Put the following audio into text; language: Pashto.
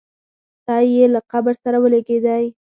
تی یې له قبر سره ولګېدی.